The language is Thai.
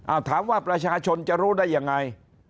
ถามว่าประชาชนจะรู้ได้ยังไง